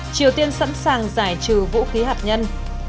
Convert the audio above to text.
triều tiên sẵn sàng giải trừ vũ khí hạt nhân